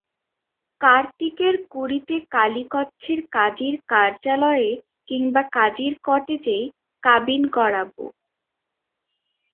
কার্তিকের কুড়িতে কালীকচ্ছের কাজীর কার্যালয়ে কিংবা কাজীর কটেজেই কাবিন করাবো।